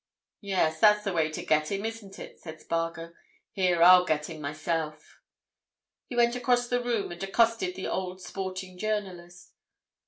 "Yes, that's the way to get him, isn't it?" said Spargo. "Here, I'll get him myself." He went across the room and accosted the old sporting journalist.